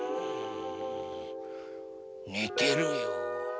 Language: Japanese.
ねてるよ。